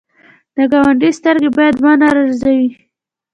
د ګاونډي سترګې باید ونه رنځوې